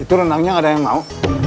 itu rendangnya gak ada yang mau